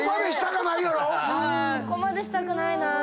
ここまでしたくないな。